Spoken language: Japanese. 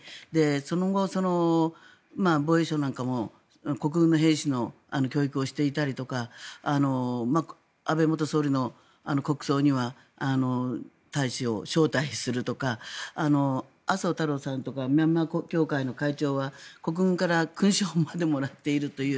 その後、防衛省なんかも国軍の兵士の教育をしていたりだとか安倍元総理の国葬には大使を招待するとか麻生太郎さんとかミャンマー協会の会長は国軍から勲章までもらっているという。